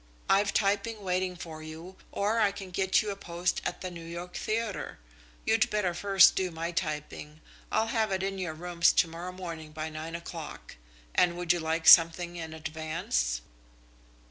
I've typing waiting for you, or I can get you a post at the New York Theatre. You'd better first do my typing. I'll have it in your rooms to morrow morning by nine o'clock. And would you like something in advance?"